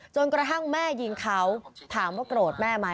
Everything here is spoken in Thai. จนกระทั่งแม่ยิงเขาถามว่าโกรธแม่ไหม